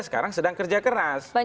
sekarang sedang kerja keras